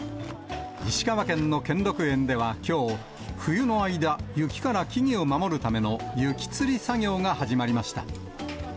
石川県の兼六園ではきょう、冬の間、雪から木々を守るための雪つり作業が始まりました。